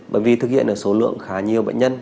bởi vì thực hiện được số lượng khá nhiều bệnh nhân